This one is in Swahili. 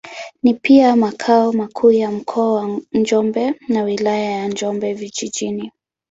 Ni pia makao makuu ya Mkoa wa Njombe na Wilaya ya Njombe Vijijini.